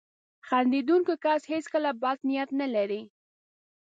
• خندېدونکی کس هیڅکله بد نیت نه لري.